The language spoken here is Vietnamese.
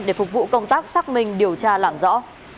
để phục vụ công tác xác minh điều tra làm rõ